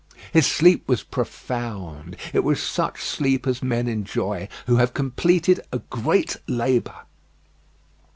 His sleep was profound. It was such sleep as men enjoy who have completed a great labour.